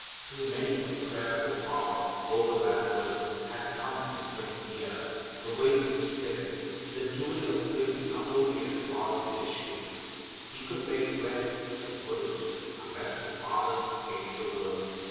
Through many a prayerful hour over that Word had come the trained ear, the waiting spirit, the doing of things only at the Father's initiative. He could make bread, but He wouldn't, unless the Father gave the word.